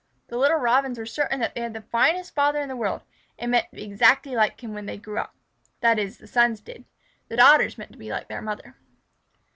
The little Robins were certain that they had the finest father in the world, and meant to be exactly like him when they grew up. That is, the sons did. The daughters meant to be like their mother.